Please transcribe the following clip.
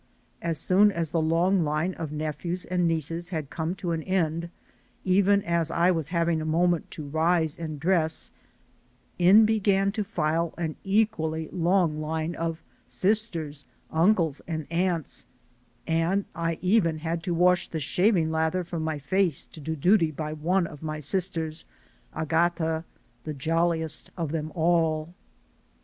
As soon as the long line of nephews and nieces had come to an end, even as I was having a moment to rise and dress, in began to file an equally long line of sisters, uncles and aunts, and I even had to wash the shaving lather from my face to do my duty by one of my sisters, Agata, the j oiliest of them all.